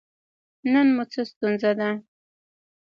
نن مو څه ستونزه ده؟